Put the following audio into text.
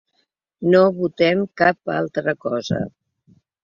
No votem cap altra cosa.